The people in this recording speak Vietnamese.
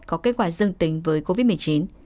có kết quả dương tính với covid một mươi chín